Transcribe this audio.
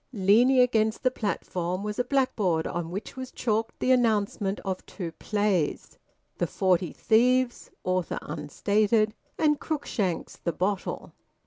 Leaning against the platform was a blackboard on which was chalked the announcement of two plays: "The Forty Thieves" (author unstated) and Cruikshank's "The Bottle."